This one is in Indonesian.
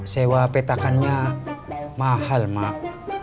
sewa petakannya mahal mak